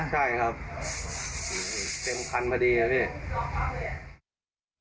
ใช่ครับเต็มคันพอดีนะพี่